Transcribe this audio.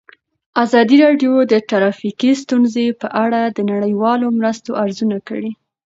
ازادي راډیو د ټرافیکي ستونزې په اړه د نړیوالو مرستو ارزونه کړې.